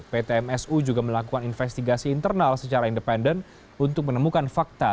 pt msu juga melakukan investigasi internal secara independen untuk menemukan fakta